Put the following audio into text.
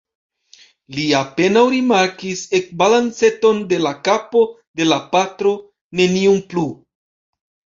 Li apenaŭ rimarkis ekbalanceton de la kapo de la patro; nenion plu.